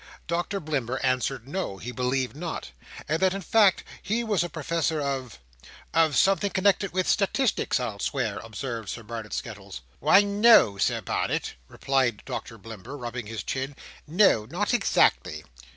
Doctor Blimber answered no, he believed not; and that in fact he was a Professor of—" "Of something connected with statistics, I'll swear?" observed Sir Barnet Skettles. "Why no, Sir Barnet," replied Doctor Blimber, rubbing his chin. "No, not exactly."